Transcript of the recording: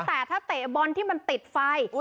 แต่ถ้าเตะบอลที่มันติดไฟ